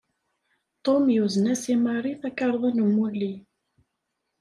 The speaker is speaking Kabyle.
Tom yuzen-as i Mary takarḍa n umulli.